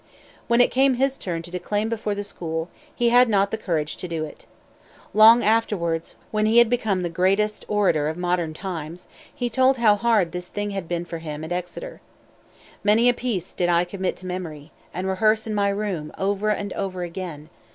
When it came his turn to declaim before the school, he had not the courage to do it. Long afterwards, when he had become the greatest orator of modern times, he told how hard this thing had been for him at Exeter: "Many a piece did I commit to memory, and rehearse in my room over and over again.